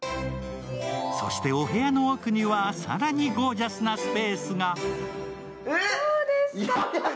そしてお部屋の奥には、更にゴージャスなスペースが。